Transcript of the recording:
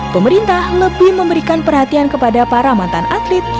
pemerintah lebih memberikan perhatian kepada para mantan atlet